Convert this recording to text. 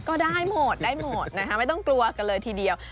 ก็ได้หมดได้หมดนะคะไม่ต้องกลัวกันเลยทีเดียว